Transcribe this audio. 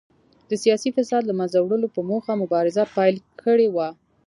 د سیاسي فساد له منځه وړلو په موخه مبارزه پیل کړې وه.